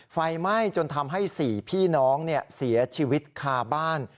ไฟไหม้จนทำให้๔พี่น้องเสียชีวิตคาบ้าน